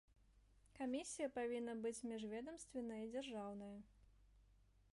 Камісія павінна быць міжведамственная і дзяржаўная.